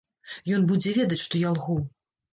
Ён будзе ведаць, што я лгу.